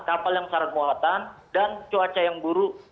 kapal yang syarat muatan dan cuaca yang buruk